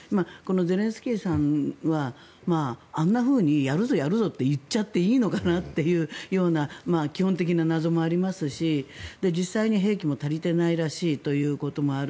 ゼレンスキーさんはあんなふうにやるぞ、やるぞと言っちゃっていいのかというような基本的な謎もありますし実際に兵器も足りてないらしいということもある。